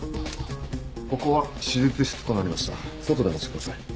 ここは手術室となりました外でお待ちください。